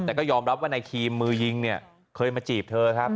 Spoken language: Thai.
แต่ก็ยอมรับว่านายครีมมือยิงเนี่ยเคยมาจีบเธอครับ